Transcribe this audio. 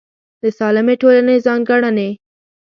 د سالمې ټولنې ځانګړنې